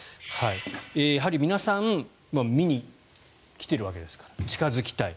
やはり皆さん見に来ているわけですから近付きたい。